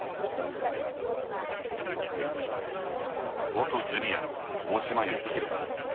元ジュニアの大島幸広さん。